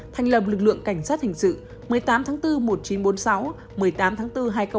thành lập lực lượng cảnh sát hình sự một mươi tám tháng bốn một nghìn chín trăm bốn mươi sáu một mươi tám tháng bốn hai nghìn hai mươi